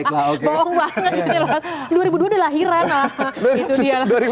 bawang banget gitu loh dua ribu dua udah lahiran lah